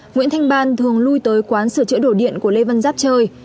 nguyễn thanh ban thường lui tới quán sửa chữa đổ điện của lê văn giáp chơi